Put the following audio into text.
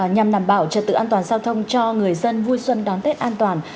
nhằm đảm bảo trật tự an toàn giao thông cho người dân vui xuân đón tết an toàn